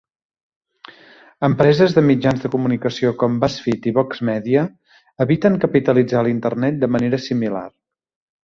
Empreses de mitjans de comunicació com BuzzFeed i Vox Media eviten capitalitzar l'"internet" de manera similar.